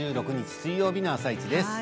水曜日の「あさイチ」です。